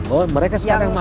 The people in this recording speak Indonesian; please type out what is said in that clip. oh mereka sekarang mau